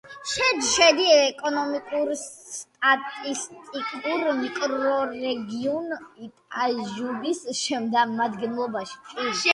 შედის ეკონომიკურ-სტატისტიკურ მიკრორეგიონ იტაჟუბის შემადგენლობაში.